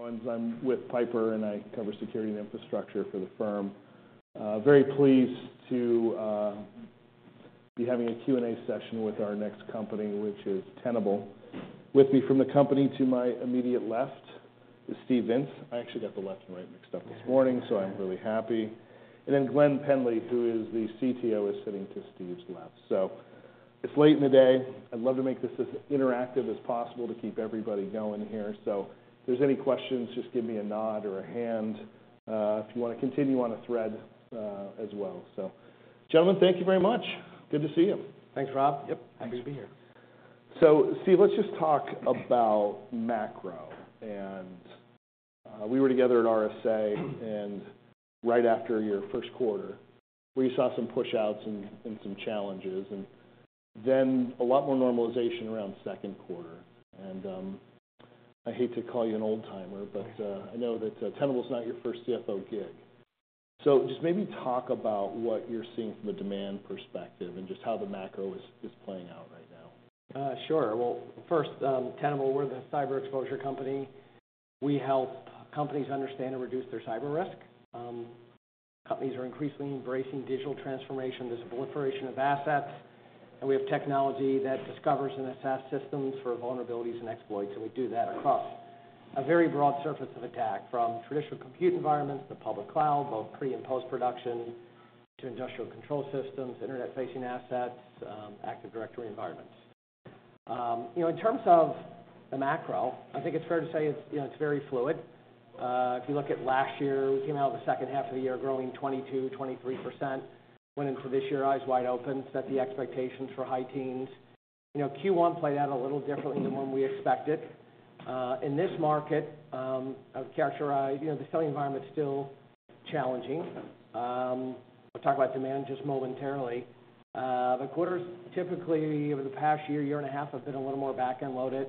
Owens. I'm with Piper, and I cover security and infrastructure for the firm. Very pleased to be having a Q&A session with our next company, which is Tenable. With me from the company to my immediate left is Steve Vintz. I actually got the left and right mixed up this morning, so I'm really happy. And then Glen Pendley, who is the CTO, is sitting to Steve's left. So it's late in the day. I'd love to make this as interactive as possible to keep everybody going here. So if there's any questions, just give me a nod or a hand if you wanna continue on a thread, as well. So, gentlemen, thank you very much. Good to see you. Thanks, Rob. Yep. Happy to be here. So, Steve, let's just talk about macro, and we were together at RSA, and right after your first quarter, we saw some pushouts and some challenges, and then a lot more normalization around second quarter. And I hate to call you an old-timer, but I know that Tenable is not your first CFO gig. So just maybe talk about what you're seeing from a demand perspective and just how the macro is playing out right now. Sure. Well, first, Tenable, we're the cyber exposure company. We help companies understand and reduce their cyber risk. Companies are increasingly embracing digital transformation. There's a proliferation of assets, and we have technology that discovers and assess systems for vulnerabilities and exploits, and we do that across a very broad surface of attack, from traditional compute environments to public cloud, both pre- and post-production, to industrial control systems, internet-facing assets, Active Directory environments. You know, in terms of the macro, I think it's fair to say it's, you know, it's very fluid. If you look at last year, we came out of the second half of the year growing 22%-23%. Went into this year, eyes wide open, set the expectations for high teens. You know, Q1 played out a little differently than what we expected. In this market, I would characterize. You know, the selling environment is still challenging. We'll talk about demand just momentarily. The quarters, typically, over the past year, year and a half, have been a little more back-end loaded.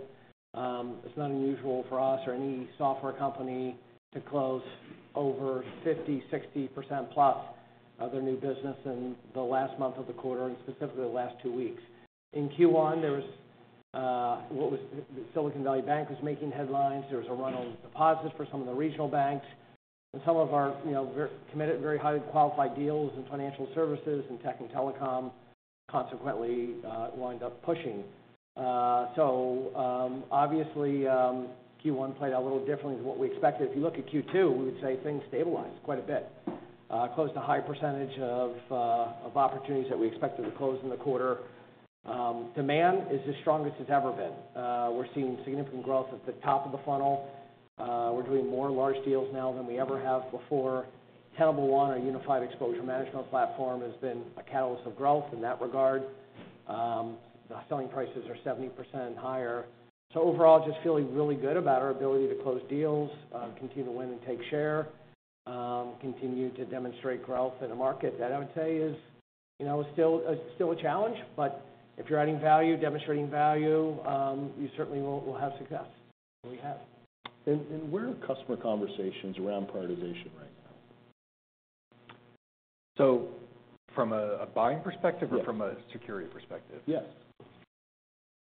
It's not unusual for us or any software company to close over 50%, 60% plus of their new business in the last month of the quarter, and specifically the last two weeks. In Q1, there was what was Silicon Valley Bank was making headlines. There was a run on deposits for some of the regional banks. And some of our, you know, very committed, very highly qualified deals in financial services and tech and telecom consequently wind up pushing. So, obviously, Q1 played out a little differently than what we expected. If you look at Q2, we would say things stabilized quite a bit. Closed a high percentage of of opportunities that we expected to close in the quarter. Demand is the strongest it's ever been. We're seeing significant growth at the top of the funnel. We're doing more large deals now than we ever have before. Tenable One, our unified exposure management platform, has been a catalyst of growth in that regard. The selling prices are 70% higher. Overall, just feeling really good about our ability to close deals, continue to win and take share, continue to demonstrate growth in a market that I would say is, you know, still, still a challenge. But if you're adding value, demonstrating value, you certainly will, will have success, and we have. And where are customer conversations around prioritization right now? From a buying perspective or from a security perspective? Yes.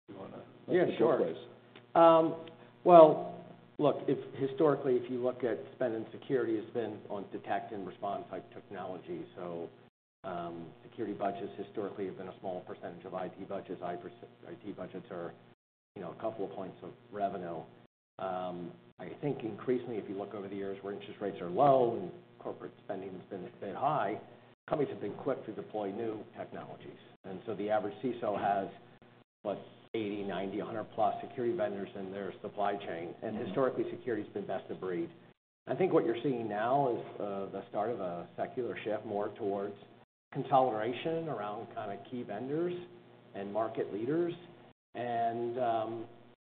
You wanna. Yeah, sure. Go please. Well, look, if historically, if you look at spend in security, it's been on detect and response type technology. So, security budgets historically have been a small percentage of IT budgets. IT budgets are, you know, a couple of points of revenue. I think increasingly, if you look over the years where interest rates are low and corporate spending has been high, companies have been quick to deploy new technologies. And so the average CISO has, what, 80, 90, 100+ security vendors in their supply chain. Historically, security's been best of breed. I think what you're seeing now is the start of a secular shift, more towards consolidation around kind of key vendors and market leaders, and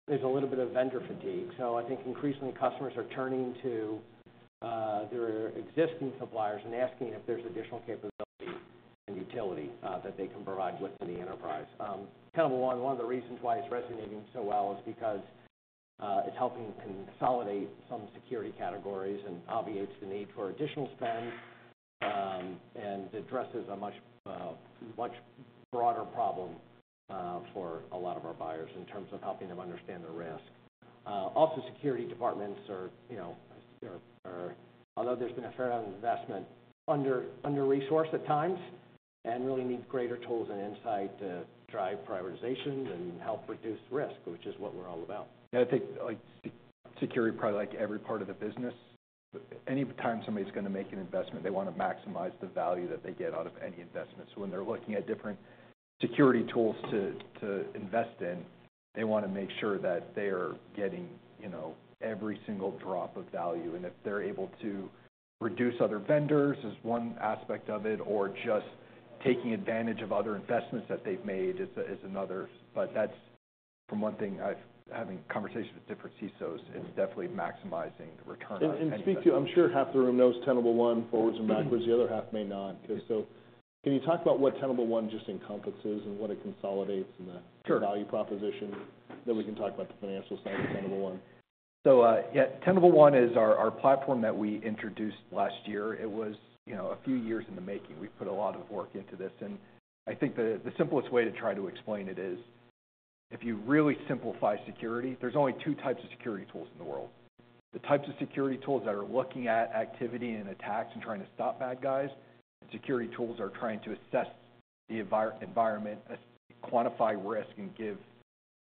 there's a little bit of vendor fatigue. So I think increasingly, customers are turning to their existing suppliers and asking if there's additional capability and utility that they can provide within the enterprise. Tenable One, one of the reasons why it's resonating so well is because it's helping consolidate some security categories and obviates the need for additional spend, and addresses a much broader problem for a lot of our buyers in terms of helping them understand their risk. Also, security departments are, you know, although there's been a fair amount of investment, under-resourced at times, and really need greater tools and insight to drive prioritizations and help reduce risk, which is what we're all about. I think, like, security, probably like every part of the business, anytime somebody's gonna make an investment, they wanna maximize the value that they get out of any investment. So when they're looking at different security tools to, to invest in, they wanna make sure that they are getting, you know, every single drop of value, and if they're able to reduce other vendors, is one aspect of it, or just taking advantage of other investments that they've made is a, is another. From one thing, I've-- having conversations with different CISOs, it's definitely maximizing the return on any speak, too. I'm sure half the room knows Tenable One forwards and backwards, the other half may not. Okay. So can you talk about what Tenable One just encompasses and what it consolidates, and the value proposition, then we can talk about the financial side of Tenable One. So, yeah, Tenable One is our, our platform that we introduced last year. It was, you know, a few years in the making. We've put a lot of work into this, and I think the, the simplest way to try to explain it is if you really simplify security, there's only two types of security tools in the world. The types of security tools that are looking at activity and attacks and trying to stop bad guys, and security tools are trying to assess the environment, quantify risk, and give,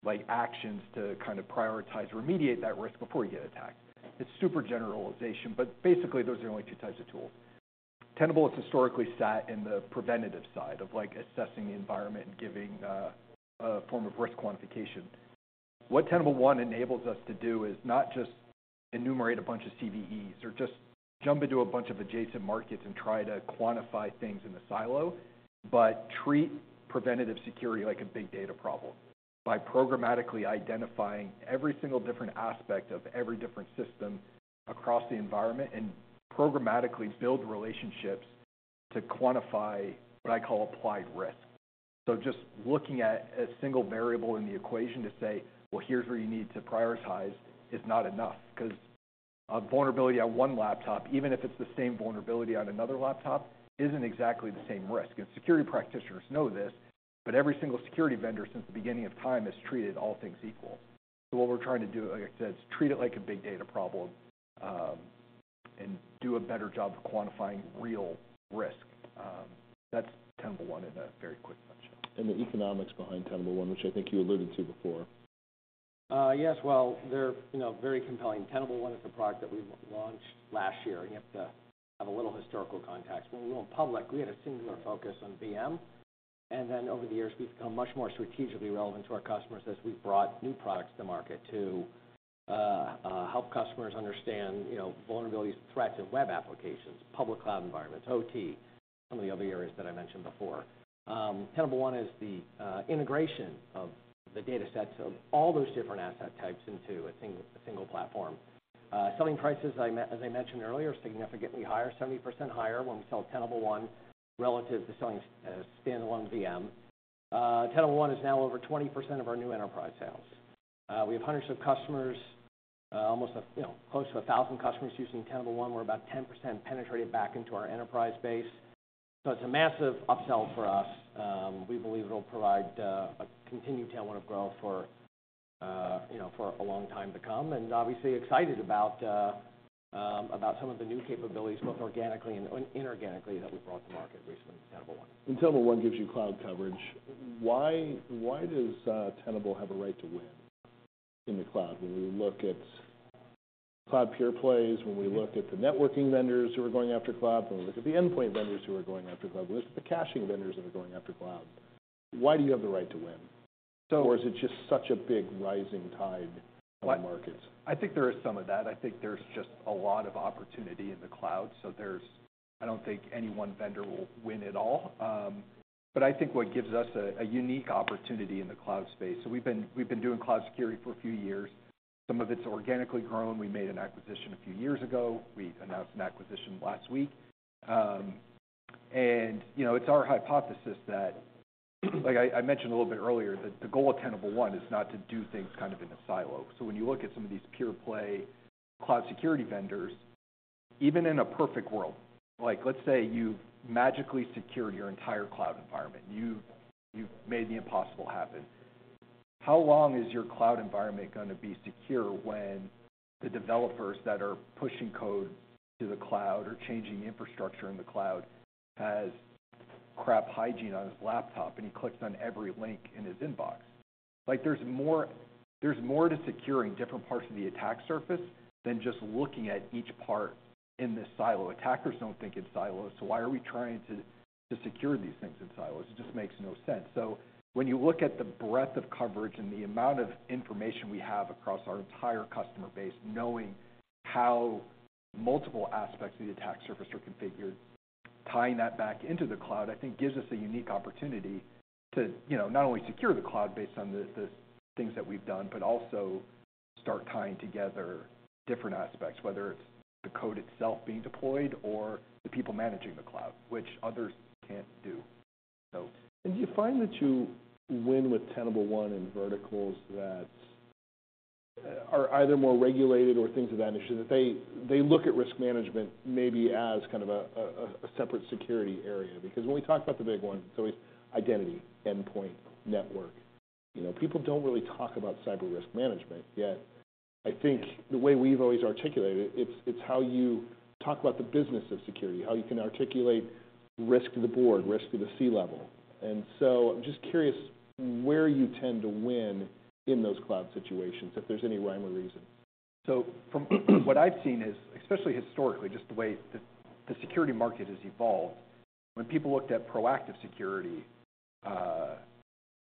like, actions to kind of prioritize, remediate that risk before you get attacked. It's super generalization, but basically, those are the only two types of tools. Tenable is historically sat in the preventative side of, like, assessing the environment and giving, a form of risk quantification. What Tenable One enables us to do is not just enumerate a bunch of CVEs or just jump into a bunch of adjacent markets and try to quantify things in the silo, but treat preventative security like a big data problem by programmatically identifying every single different aspect of every different system across the environment, and programmatically build relationships to quantify what I call applied risk. So just looking at a single variable in the equation to say, "Well, here's where you need to prioritize," is not enough, 'cause a vulnerability on one laptop, even if it's the same vulnerability on another laptop, isn't exactly the same risk. And security practitioners know this, but every single security vendor since the beginning of time has treated all things equal. What we're trying to do, like I said, is treat it like a big data problem, and do a better job of quantifying real risk. That's Tenable One in a very quick nutshell. The economics behind Tenable One, which I think you alluded to before. Yes. Well, they're, you know, very compelling. Tenable One is a product that we launched last year. You have to have a little historical context. When we went public, we had a singular focus on VM, and then over the years, we've become much more strategically relevant to our customers as we've brought new products to market to help customers understand, you know, vulnerabilities, threats, and web applications, public cloud environments, OT, some of the other areas that I mentioned before. Tenable One is the integration of the data sets of all those different asset types into a single platform. Selling prices, as I mentioned earlier, are significantly higher, 70% higher when we sell Tenable One, relative to selling a standalone VM. Tenable One is now over 20% of our new enterprise sales. We have hundreds of customers, almost, you know, close to a thousand customers using Tenable One. We're about 10% penetrated back into our enterprise base, so it's a massive upsell for us. We believe it'll provide a continued tailwind of growth for, you know, for a long time to come, and obviously excited about some of the new capabilities, both organically and inorganically, that we brought to market recently with Tenable One. Tenable One gives you cloud coverage. Why, why does Tenable have a right to win in the cloud? When we look at cloud peer plays, when we look at the networking vendors who are going after cloud, when we look at the endpoint vendors who are going after cloud, when we look at the caching vendors that are going after cloud, why do you have the right to win? Or is it just such a big rising tide on the markets? I think there is some of that. I think there's just a lot of opportunity in the cloud, so there's... I don't think any one vendor will win at all. But I think what gives us a unique opportunity in the cloud space, so we've been doing cloud security for a few years. Some of it's organically grown. We made an acquisition a few years ago. We've announced an acquisition last week. And, you know, it's our hypothesis that, like I mentioned a little bit earlier, that the goal of Tenable One is not to do things kind of in a silo. So when you look at some of these pure play cloud security vendors, even in a perfect world, like, let's say you've magically secured your entire cloud environment, you've made the impossible happen. How long is your cloud environment gonna be secure when the developers that are pushing code to the cloud or changing infrastructure in the cloud has crap hygiene on his laptop, and he clicks on every link in his inbox? Like, there's more, there's more to securing different parts of the attack surface than just looking at each part in the silo. Attackers don't think in silos, so why are we trying to secure these things in silos? It just makes no sense. So when you look at the breadth of coverage and the amount of information we have across our entire customer base, knowing how multiple aspects of the attack surface are configured, tying that back into the cloud, I think gives us a unique opportunity to, you know, not only secure the cloud based on the, the things that we've done, but also start tying together different aspects, whether it's the code itself being deployed or the people managing the cloud, which others can't do, so. Do you find that you win with Tenable One in verticals that are either more regulated or things of that nature, that they, they look at risk management maybe as kind of a separate security area? Because when we talk about the big ones, so it's identity, endpoint, network, you know, people don't really talk about cyber risk management, yet I think the way we've always articulated it, it's, it's how you talk about the business of security, how you can articulate risk to the board, risk to the C-level. And so I'm just curious where you tend to win in those cloud situations, if there's any rhyme or reason. So from what I've seen is, especially historically, just the way the security market has evolved, when people looked at proactive security,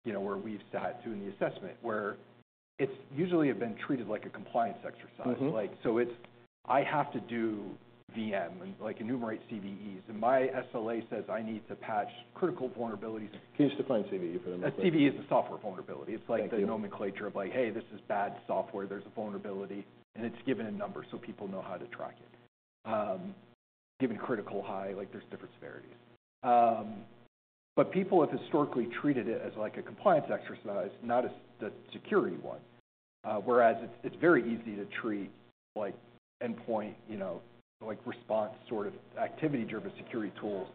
you know, where we've sat doing the assessment, where it's usually been treated like a compliance exercise. Like, so it's, I have to do VM, and, like, enumerate CVEs, and my SLA says I need to patch critical vulnerabilities. Can you just define CVE for them? A CVE is a software vulnerability. Thank you. It's like the nomenclature of, like, "Hey, this is bad software. There's a vulnerability," and it's given a number so people know how to track it. Given critical, high, like, there's different severities. But people have historically treated it as like a compliance exercise, not as the security one, whereas it's very easy to treat, like, endpoint, you know, like response sort of activity-driven security tools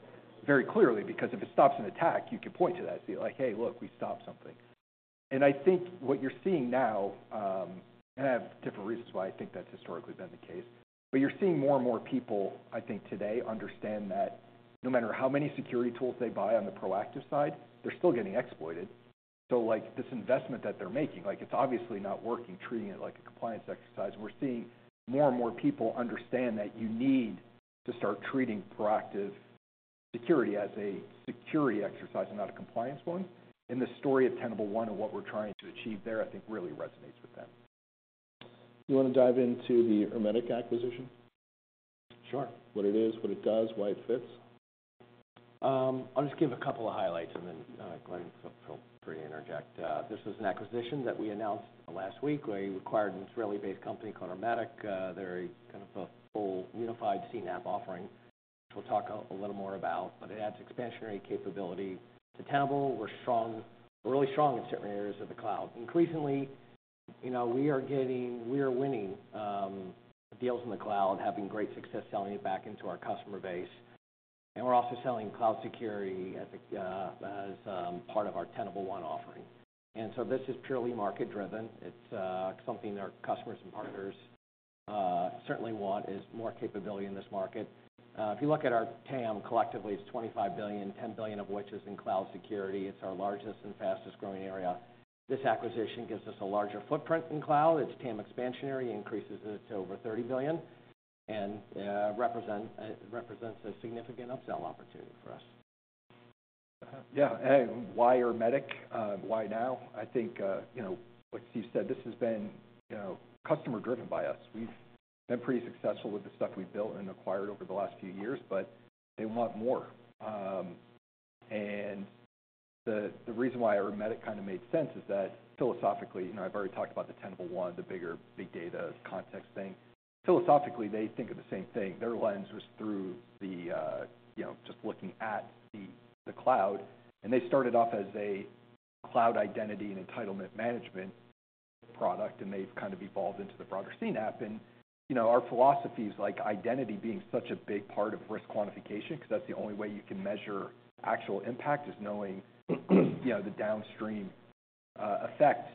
very clearly, because if it stops an attack, you can point to that and be like: "Hey, look, we stopped something." And I think what you're seeing now, and I have different reasons why I think that's historically been the case, but you're seeing more and more people, I think, today understand that no matter how many security tools they buy on the proactive side, they're still getting exploited. So, like, this investment that they're making, like, it's obviously not working, treating it like a compliance exercise. We're seeing more and more people understand that you need to start treating proactive security as a security exercise and not a compliance one. And the story of Tenable One and what we're trying to achieve there, I think, really resonates with them. You wanna dive into the Ermetic acquisition? Sure. What it is, what it does, why it fits. I'll just give a couple of highlights, and then, Glen, feel free to interject. This was an acquisition that we announced last week, where we acquired an Israeli-based company called Ermetic. They're a kind of a full unified CNAPP offering, which we'll talk a little more about, but it adds expansionary capability to Tenable. We're strong, we're really strong in certain areas of the cloud. Increasingly, you know, we are winning deals in the cloud, having great success selling it back into our customer base, and we're also selling cloud security as part of our Tenable One offering. And so this is purely market driven. It's something our customers and partners certainly want, is more capability in this market. If you look at our TAM collectively, it's $25 billion, $10 billion of which is in cloud security. It's our largest and fastest growing area. This acquisition gives us a larger footprint in cloud. It's TAM expansionary, increases it to over $30 billion, and represents a significant upsell opportunity for us. Yeah. And why Ermetic? Why now? I think, you know, like Steve said, this has been, you know, customer driven by us. We've been pretty successful with the stuff we've built and acquired over the last few years, but they want more. And the reason why Ermetic kind of made sense is that philosophically, you know, I've already talked about the Tenable One, the bigger, big data context thing. Philosophically, they think of the same thing. Their lens was through the, you know, just looking at the cloud, and they started off as a cloud identity and entitlement management product, and they've kind of evolved into the broader CNAPP. And, you know, our philosophy is like identity being such a big part of risk quantification, because that's the only way you can measure actual impact, is knowing, you know, the downstream effect.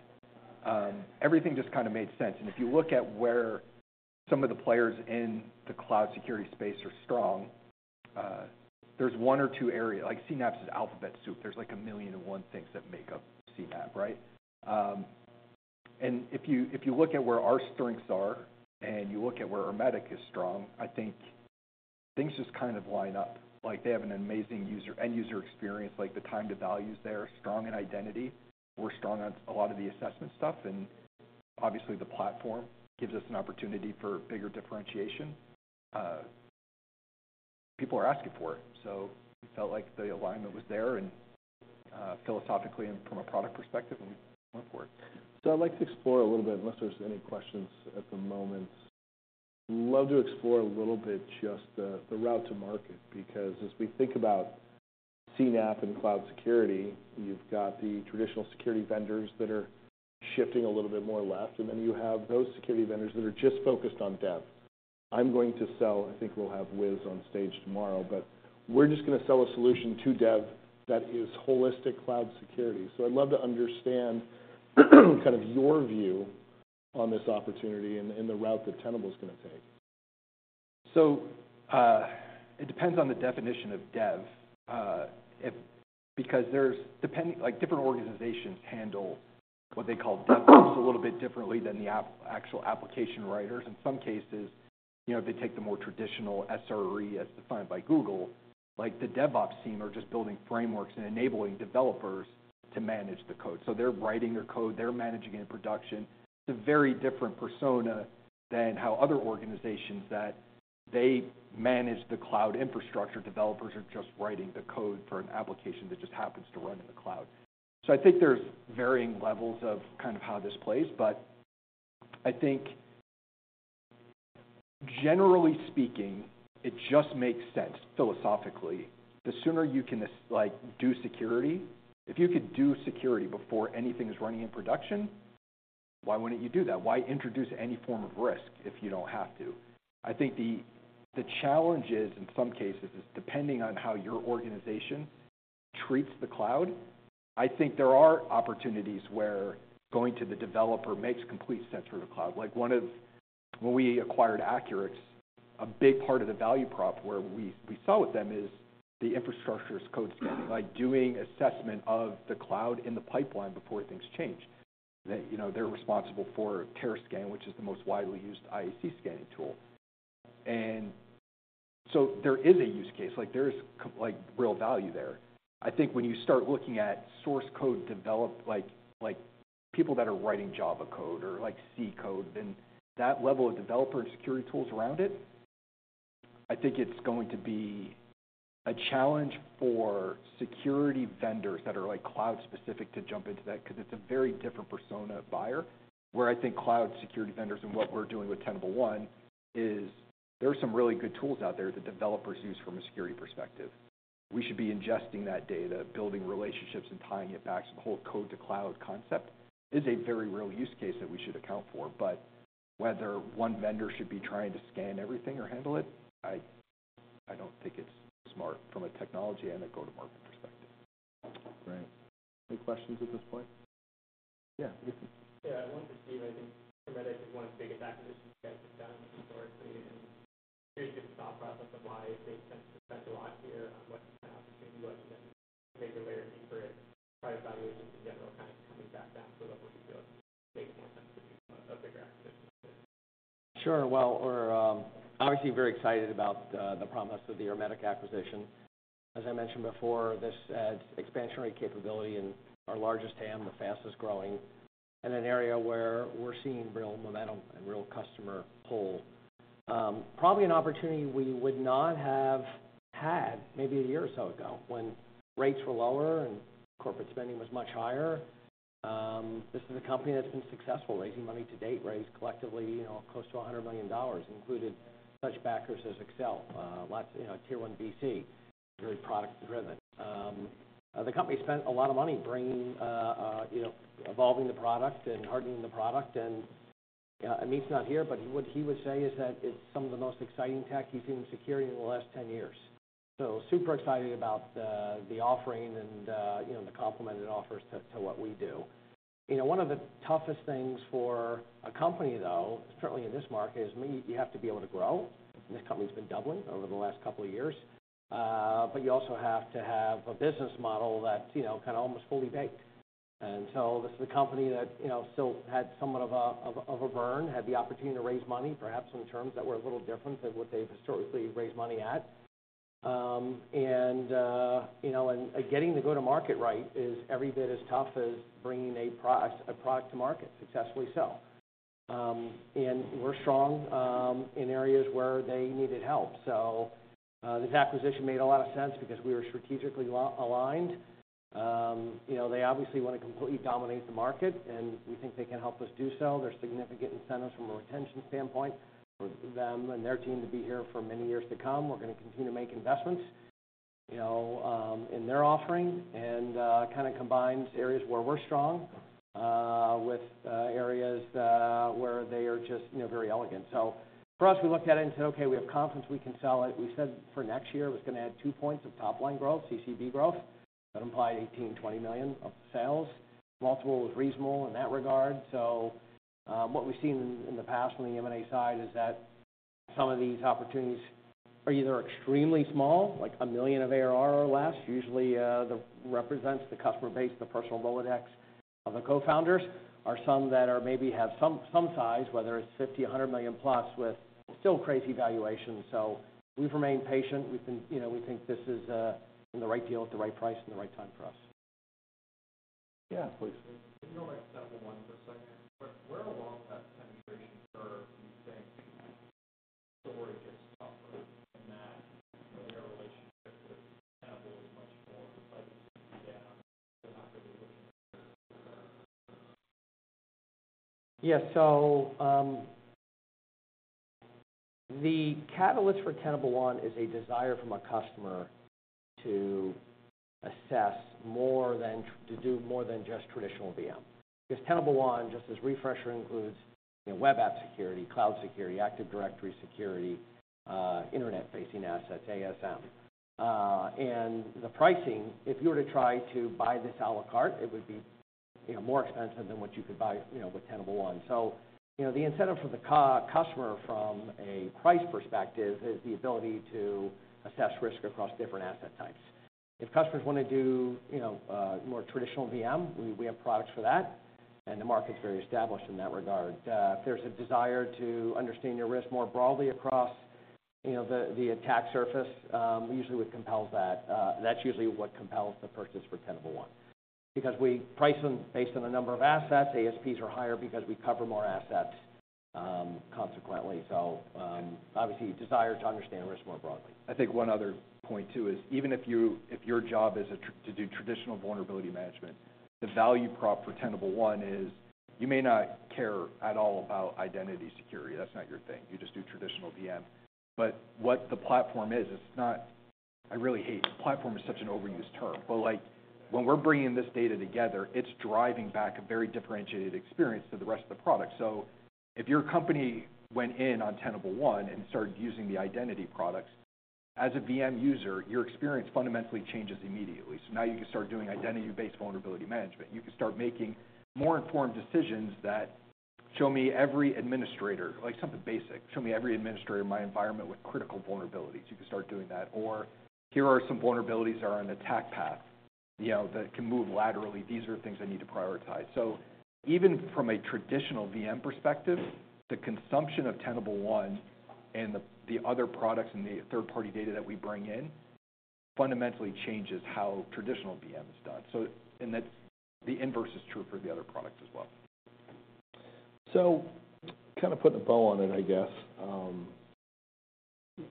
Everything just kind of made sense. If you look at where some of the players in the cloud security space are strong, there's one or two. Like, CNAPP is alphabet soup. There's, like, a million and one things that make up CNAPP, right? If you, if you look at where our strengths are and you look at where Ermetic is strong, I think things just kind of line up. Like, they have an amazing end-user experience, like, the time to value is there. Strong in identity. We're strong on a lot of the assessment stuff, and obviously, the platform gives us an opportunity for bigger differentiation. People are asking for it. We felt like the alignment was there and, philosophically and from a product perspective, and we went for it. So I'd like to explore a little bit, unless there's any questions at the moment. Love to explore a little bit just the, the route to market, because as we think about CNAPP and cloud security, you've got the traditional security vendors that are shifting a little bit more left, and then you have those security vendors that are just focused on dev. I'm going to sell. I think we'll have Wiz on stage tomorrow, but we're just gonna sell a solution to dev that is holistic cloud security. So I'd love to understand, kind of your view on this opportunity and, and the route that Tenable is gonna take. So, it depends on the definition of dev, if... Because there's, like, different organizations handle what they call DevOps a little bit differently than the actual application writers. In some cases, you know, they take the more traditional SRE as defined by Google. Like, the DevOps team are just building frameworks and enabling developers to manage the code, so they're writing their code, they're managing it in production. It's a very different persona than how other organizations that they manage the cloud infrastructure, developers are just writing the code for an application that just happens to run in the cloud. So I think there's varying levels of kind of how this plays, but I think generally speaking, it just makes sense philosophically. The sooner you can just, like, do security... If you could do security before anything is running in production, why wouldn't you do that? Why introduce any form of risk if you don't have to? I think the challenge is, in some cases, depending on how your organization treats the cloud. I think there are opportunities where going to the developer makes complete sense for the cloud. Like, one of when we acquired Accurics, a big part of the value prop we saw with them is the infrastructure as code scanning, like doing assessment of the cloud in the pipeline before things change. They, you know, they're responsible for Terrascan, which is the most widely used IaC scanning tool. And so there is a use case, like, there's, like, real value there. I think when you start looking at source code develop, like, people that are writing Java code or like C code, then that level of developer and security tools around it, I think it's going to be a challenge for security vendors that are, like, cloud specific to jump into that, 'cause it's a very different persona buyer. Where I think cloud security vendors and what we're doing with Tenable One is there are some really good tools out there that developers use from a security perspective. We should be ingesting that data, building relationships, and tying it back to the whole code to cloud concept, is a very real use case that we should account for. But whether one vendor should be trying to scan everything or handle it, I don't think it's smart from a technology and a go-to-market perspective. Right. Any questions at this point? Yeah, Nathan. Yeah, one for Steve. I think Ermetic is one of the biggest acquisitions you guys have done historically, and curious your thought process of why it made sense to spend a lot here on what kind of opportunity, what the bigger layer for it, private valuations in general, kind of coming back down to what would make more sense to do a bigger acquisition? Sure. Well, we're obviously very excited about the promise of the Ermetic acquisition. As I mentioned before, this adds expansionary capability in our largest TAM, the fastest growing, in an area where we're seeing real momentum and real customer pull. Probably an opportunity we would not have had maybe a year or so ago, when rates were lower and corporate spending was much higher. This is a company that's been successful raising money to date, raised collectively, you know, close to $100 million, including such backers as Accel, lots, you know, tier one VC, very product driven. The company spent a lot of money bringing, you know, evolving the product and hardening the product. Amit's not here, but what he would say is that it's some of the most exciting tech he's seen in security in the last 10 years. So super excited about the offering and, you know, the complement it offers to what we do. You know, one of the toughest things for a company, though, certainly in this market, is you have to be able to grow, and this company's been doubling over the last couple of years. But you also have to have a business model that's, you know, kind of almost fully baked. And so this is a company that, you know, still had somewhat of a burn, had the opportunity to raise money, perhaps in terms that were a little different than what they've historically raised money at. You know, getting the go-to-market right is every bit as tough as bringing a product to market successfully sell. We're strong in areas where they needed help. So, this acquisition made a lot of sense because we were strategically aligned. You know, they obviously want to completely dominate the market, and we think they can help us do so. There's significant incentives from a retention standpoint for them and their team to be here for many years to come. We're gonna continue to make investments, you know, in their offering, and kind of combines areas where we're strong with areas where they are just, you know, very elegant. So for us, we looked at it and said, "Okay, we have confidence we can sell it." We said for next year, it was gonna add two points of top line growth, CCB growth. That implied $18 million-$20 million of sales. Multiple was reasonable in that regard. So, what we've seen in the past from the M&A side is that some of these opportunities are either extremely small, like $1 million of ARR or less. Usually, they represent the customer base, the personal Rolodex of the cofounders, or some that maybe have some size, whether it's $50 million, $100 million+, with still crazy valuations. So we've remained patient. We think, you know, we think this is the right deal at the right price and the right time for us. Yeah, please. Can you go back to Tenable One for a second? Where along that penetration curve do you think story gets tougher, and that your relationship with Tenable is much more down, so not going to be looking for? Yeah. So, the catalyst for Tenable One is a desire from a customer to assess more than to do more than just traditional VM. Because Tenable One, just as refresher, includes, you know, web app security, cloud security, Active Directory security, internet-facing assets, ASM. And the pricing, if you were to try to buy this à la carte, it would be, you know, more expensive than what you could buy, you know, with Tenable One. So, you know, the incentive for the customer from a price perspective is the ability to assess risk across different asset types. If customers wanna do, you know, more traditional VM, we have products for that, and the market's very established in that regard. If there's a desire to understand your risk more broadly across, you know, the, the attack surface, usually what compels that, that's usually what compels the purchase for Tenable One. Because we price them based on the number of assets. ASPs are higher because we cover more assets, consequently. Obviously, desire to understand risk more broadly. I think one other point, too, is even if your job is to do traditional vulnerability management, the value prop for Tenable One is you may not care at all about identity security. That's not your thing. You just do traditional VM. But what the platform is, it's not, I really hate, "the platform" is such an overused term, but, like, when we're bringing this data together, it's driving back a very differentiated experience to the rest of the product. So if your company went in on Tenable One and started using the identity products, as a VM user, your experience fundamentally changes immediately. So now you can start doing identity-based vulnerability management. You can start making more informed decisions that show me every administrator, like something basic, show me every administrator in my environment with critical vulnerabilities. You can start doing that, or here are some vulnerabilities that are on attack path, you know, that can move laterally. These are things I need to prioritize. So even from a traditional VM perspective, the consumption of Tenable One and the other products and the third-party data that we bring in, fundamentally changes how traditional VM is done. So, and that's the inverse is true for the other products as well. So kind of put the bow on it, I guess.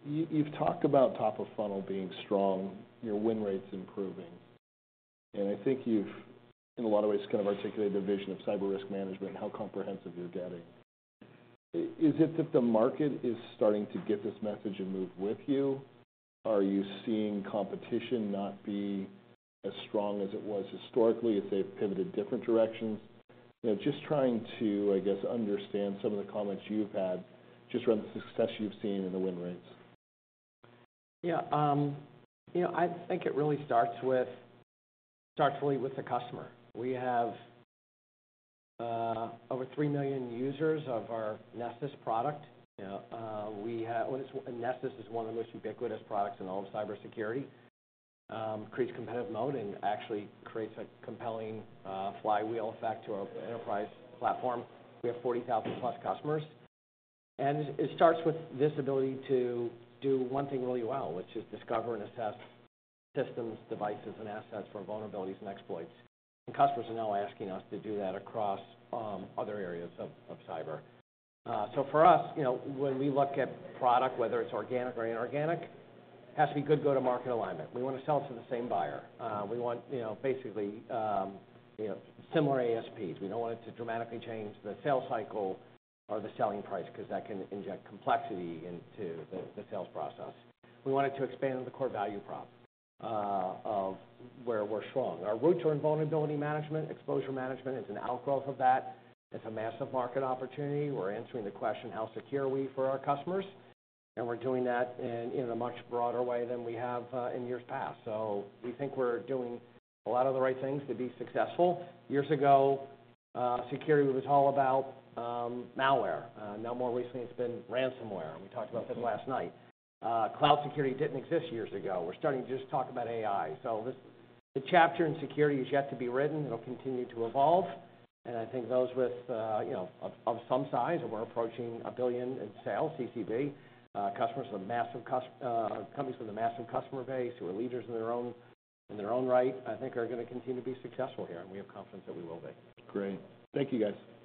You, you've talked about top of funnel being strong, your win rates improving. And I think you've, in a lot of ways, kind of articulated the vision of cyber risk management and how comprehensive you're getting. Is it that the market is starting to get this message and move with you? Are you seeing competition not be as strong as it was historically, if they've pivoted different directions? You know, just trying to, I guess, understand some of the comments you've had, just around the success you've seen in the win rates. Yeah, you know, I think it really starts with, starts really with the customer. We have over 3 million users of our Nessus product. We have-- well, it's, and Nessus is one of the most ubiquitous products in all of cybersecurity. Creates competitive mode and actually creates a compelling flywheel effect to our enterprise platform. We have 40,000+ customers, and it, it starts with this ability to do one thing really well, which is discover and assess systems, devices, and assets for vulnerabilities and exploits. And customers are now asking us to do that across other areas of cyber. So for us, you know, when we look at product, whether it's organic or inorganic, it has to be good go-to-market alignment. We want to sell it to the same buyer. We want, you know, basically, you know, similar ASPs. We don't want it to dramatically change the sales cycle or the selling price, because that can inject complexity into the sales process. We want it to expand the core value prop of where we're strong. Our roots are in vulnerability management. Exposure management is an outgrowth of that. It's a massive market opportunity. We're answering the question, how secure are we for our customers? And we're doing that in a much broader way than we have in years past. So we think we're doing a lot of the right things to be successful. Years ago, security was all about malware. Now more recently, it's been ransomware, and we talked about this last night. Cloud security didn't exist years ago. We're starting to just talk about AI. This, the chapter in security is yet to be written. It'll continue to evolve, and I think those with, you know, of some size, and we're approaching $1 billion in sales, CCB, customers with a massive, companies with a massive customer base, who are leaders in their own, in their own right, I think are gonna continue to be successful here, and we have confidence that we will be. Great. Thank you, guys.